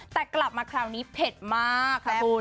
แต่กลับมาคราวนี้เผ็ดมากค่ะคุณ